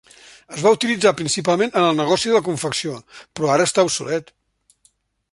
Es va utilitzar principalment en el negoci de la confecció, però ara està obsolet.